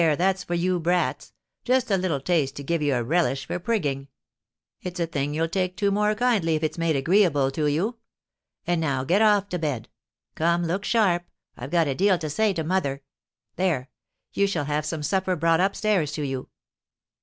that's for you brats; just a little taste to give you a relish for prigging; it's a thing you'll take to more kindly if it's made agreeable to you. And now, get off to bed. Come, look sharp, I've got a deal to say to mother. There you shall have some supper brought up stairs to you."